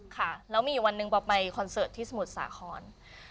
ค่ะแล้วมีอยู่วันหนึ่งป๊อปไปคอนเสิร์ตที่สมุทรสาคร